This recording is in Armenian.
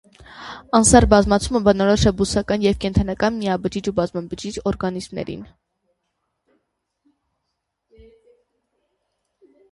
Անսեռ բազմացումը բնորոշ է բուսական և կենդանական միաբջիջ ու բազմաբջիջ օրգանիզմներին։